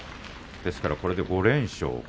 ですからこれで５連勝。